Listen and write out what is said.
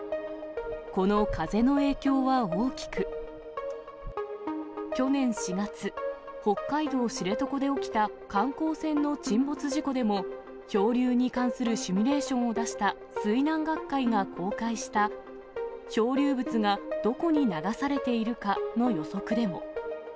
この風の影響は大きく、去年４月、北海道知床で起きた観光船の沈没事故でも、漂流に関するシミュレーションを出した水難学会が公開した、漂流物がどこに流されているかの予測でも。